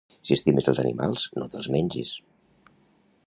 Si estimes els animals no te'ls mengis